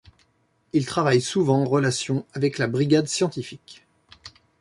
Il travaille souvent en relation avec la brigade scientifique.